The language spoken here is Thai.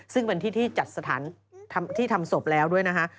ซึ่งเป็นที่ที่จัดสถานที่ทำศพแล้วด้วยนะฮะ